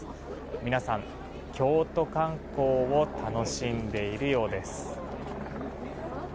皆さん、京都観光を楽しんでいるようです。